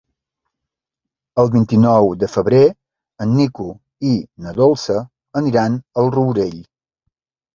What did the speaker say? El vint-i-nou de febrer en Nico i na Dolça aniran al Rourell.